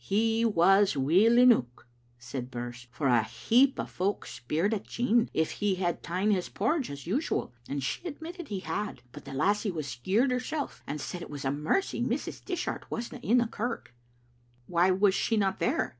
''He was weel eneuch," said Birse, "for a heap o' fowk speired at Jean if he had ta'en his porridge as usual, and she admitted he had. But the lassie was skeered hersel', and said it was a mercy Mrs. Dishart wasna in the kirk." *• Why was she not there?"